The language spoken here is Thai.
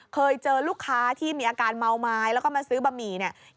เคยเจอลูกค้าที่มีอาการเมาไม้แล้วก็มาซื้อบะหมี่เนี่ย